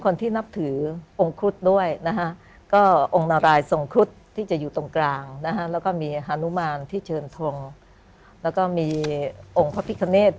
อเลยอย่างไร